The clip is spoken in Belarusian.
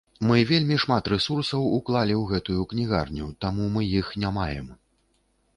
Мы вельмі шмат рэсурсаў уклалі ў гэтую кнігарню, таму мы іх не маем.